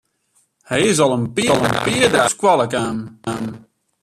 Hy is al in pear dagen net op skoalle kaam.